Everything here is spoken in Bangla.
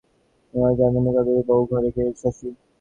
জ্ঞান হইলে যামিনী কবিরাজের বৌ বলে, ঘরে কে, শশী?